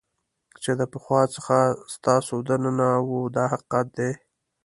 چې د پخوا څخه ستاسو دننه وو دا حقیقت دی.